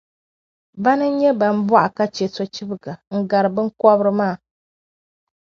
Bana n-nyɛ ban bɔrgi ka chɛ sochibga n-gari biŋkobri maa.